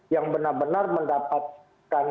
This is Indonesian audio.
yang benar benar mendapatkan